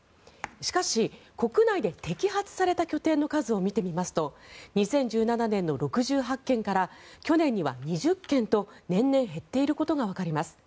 しかし、国内で摘発された拠点の数を見てみますと２０１７年の６８件から去年には２０件と年々減っていることがわかります。